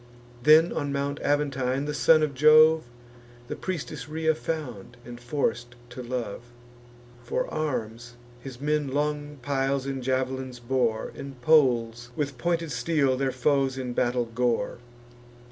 Then on Mount Aventine the son of Jove The priestess Rhea found, and forc'd to love. For arms, his men long piles and jav'lins bore; And poles with pointed steel their foes in battle gore.